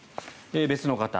別の方。